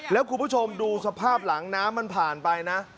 แล้วคุณผู้ชมดูสภาพหลังน้ำมันผ่านไปนะ